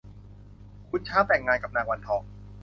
ขุนช้างแต่งงานกับนางวันทอง